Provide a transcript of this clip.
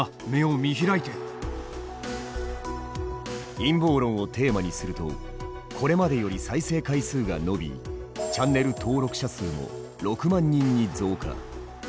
陰謀論をテーマにするとこれまでより再生回数が伸びチャンネル登録者数も６万人に増加。